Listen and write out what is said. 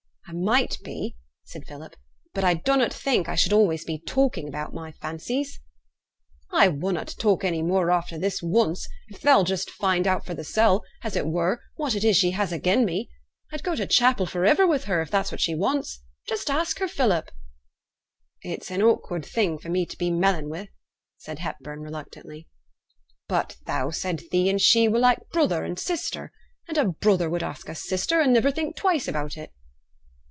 'I might be,' said Philip; 'but I dunnut think I should be always talking about my fancies.' 'I wunnot talk any more after this once, if thou'll just find out fra' thysel', as it were, what it is she has again' me. I'd go to chapel for iver with her, if that's what she wants. Just ask her, Philip.' 'It's an awkward thing for me to be melling wi',' said Hepburn, reluctantly. 'But thou said thee and she were like brother and sister; and a brother would ask a sister, and niver think twice about it.'